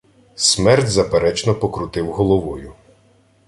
Смерд заперечно покрутив головою.